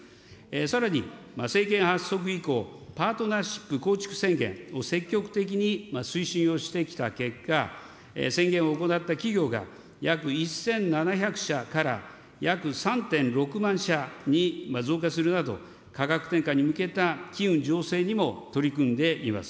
さらに、政権発足以降、パートナーシップ構築宣言を積極的に推進をしてきた結果、宣言を行った企業が約１７００社から、約３．６万社に増加するなど、価格転嫁に向けた機運醸成にも取り組んでいます。